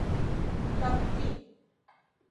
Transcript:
تبتی